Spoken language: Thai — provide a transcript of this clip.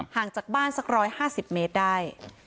ห่างจากบ้านสัก๑๕๐เมตรได้